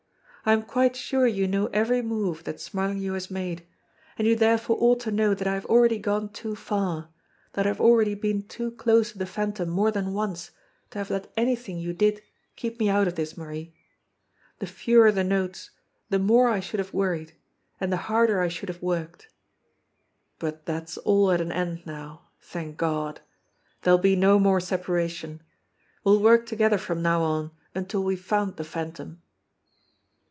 I'm quite sure you know every move that Smarlinghue has made, 118 JIMMIE DALE AND THE PHANTOM CLUE and you therefore ought to know that I have already gone too far, that I've already been too close to the Phantom more than once to have let anything you did keep me out of this, Marie. The fewer the notes, the more I should have wor ried, and the harder I should have worked. But that's all at an end now, thank God! There'll be no more separation. We'll work together from now on until we've found the Phantom."